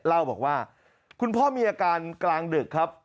เล่าบอกว่าคุณพ่อมีอาการกลางดึกครับ